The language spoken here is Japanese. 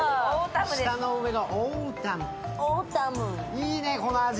いいね、この味。